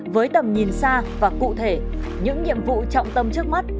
với tầm nhìn xa và cụ thể những nhiệm vụ trọng tâm trước mắt